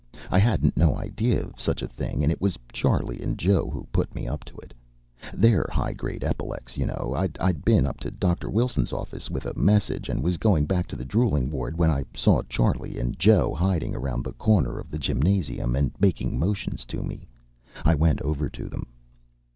I hadn't no idea of such a thing, and it was Charley and Joe who put me up to it. They're high grade epilecs, you know. I'd been up to Doctor Wilson's office with a message, and was going back to the drooling ward, when I saw Charley and Joe hiding around the corner of the gymnasium and making motions to me. I went over to them.